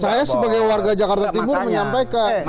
saya sebagai warga jakarta timur menyampaikan